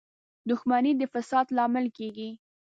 • دښمني د فساد لامل کېږي.